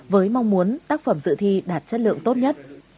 với mong muốn tác phẩm dự thi đạt chất lượng tốt nhất